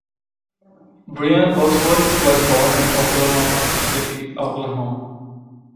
Brian Bosworth was born in Oklahoma City, Oklahoma.